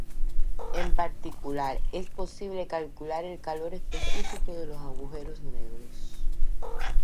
En particular, es posible calcular el calor específico de los agujeros negros.